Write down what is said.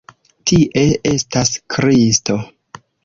Tie estas Kristo!